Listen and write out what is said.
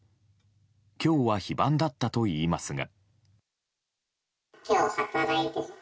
今日は非番だったといいますが。